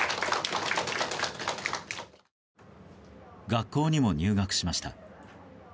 学校にも入学しました。